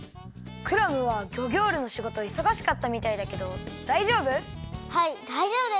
クラムはギョギョールのしごといそがしかったみたいだけどだいじょうぶ？